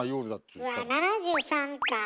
うわ７３かあ。